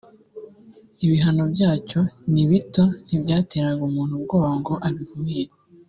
ibihano byacyo ni bito ntibyateraga umuntu ubwoba ngo abikumire